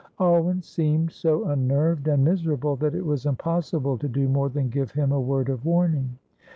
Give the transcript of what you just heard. Alwyn seemed so unnerved and miserable that it was impossible to do more than give him a word of warning.